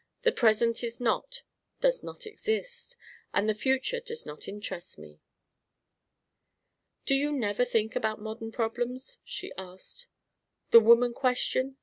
The present is not, does not exist. And the future does not interest me." "Do you never think about modern problems?" she asked. "The woman question?